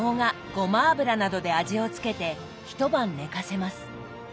ごま油などで味を付けて一晩寝かせます。